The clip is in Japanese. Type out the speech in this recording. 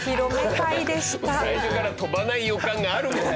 最初から飛ばない予感があるんだよな